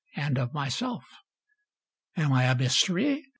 And of myself. Am I a Mystery?